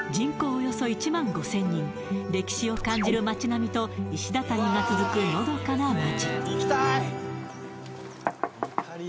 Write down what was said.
およそ１万５０００人歴史を感じる街並みと石畳が続くのどかな街